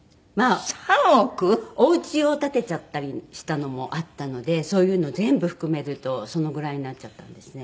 おうちを建てちゃったりしたのもあったのでそういうのを全部含めるとそのぐらいになっちゃったんですね。